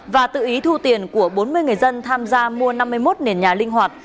và tự ý thu tiền của bốn mươi người dân tham gia mua năm mươi một nền nhà linh hoạt